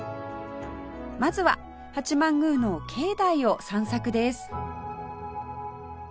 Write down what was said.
まずは八幡宮の境内を散策です